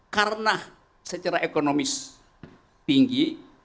karena secara ekonomis tinggi